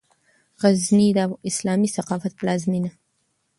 غزني د اسلامي ثقافت پلازمېنه